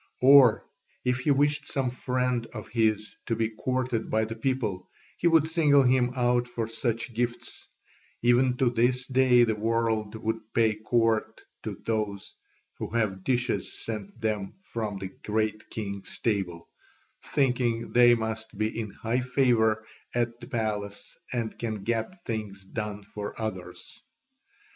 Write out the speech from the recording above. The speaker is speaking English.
Or, if he wished some friend of his to be courted by the people, he would single him out for such gifts; even to this day the world will pay court to those who have dishes sent them from the Great King's table, thinking they must be in high favour at the palace and can get things done for others.